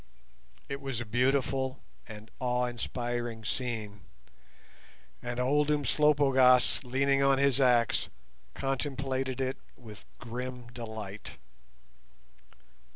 It was a beautiful and awe inspiring scene, and old Umslopogaas, leaning on his axe, contemplated it with grim delight.